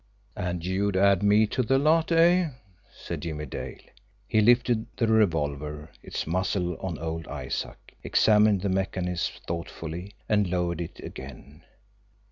"And you'd add me to the lot, eh?" said Jimmie Dale. He lifted the revolver, its muzzle on old Isaac, examined the mechanism thoughtfully, and lowered it again.